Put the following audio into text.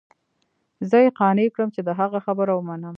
زه يې قانع کړم چې د هغه خبره ومنم.